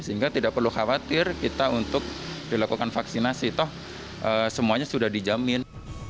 sehingga tidak perlu khawatir kita untuk dilakukan vaksinasi toh semuanya sudah dijamin